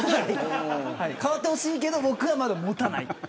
変わってほしいけど僕は、まだ持たない。